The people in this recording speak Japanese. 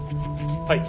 はい。